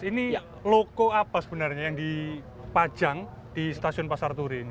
ini loko apa sebenarnya yang dipajang di stasiun pasar turi ini